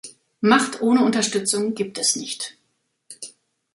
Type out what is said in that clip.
Macht ohne Unterstützung gibt es nicht.